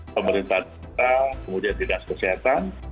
pemerintah daerah kemudian dinas kesehatan